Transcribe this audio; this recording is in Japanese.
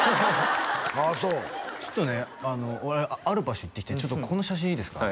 ああそうちょっとねある場所行ってきてちょっとこの写真いいですか？